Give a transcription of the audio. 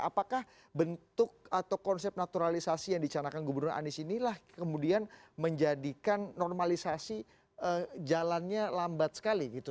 apakah bentuk atau konsep naturalisasi yang dicanakan gubernur anies inilah kemudian menjadikan normalisasi jalannya lambat sekali gitu